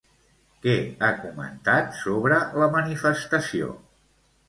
Què ha comentat sobre la manifestació?